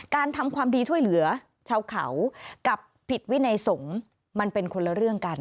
ทำความดีช่วยเหลือชาวเขากับผิดวินัยสงฆ์มันเป็นคนละเรื่องกัน